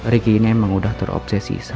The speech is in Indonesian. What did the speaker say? riki ini emang udah terobsesi sama riki